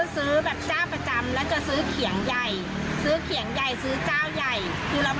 มีความปลอดภัยจ้ะเราทำวันตะวัน